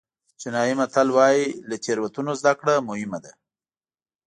چینایي متل وایي له تېروتنو زده کړه مهم ده.